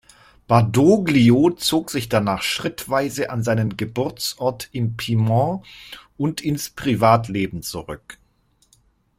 Badoglio zog sich danach schrittweise an seinen Geburtsort im Piemont und ins Privatleben zurück.